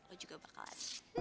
oh juga bakalan